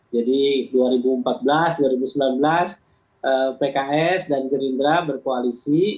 jadi dua ribu empat belas dua ribu sembilan belas pks dan gerindra berkoalisi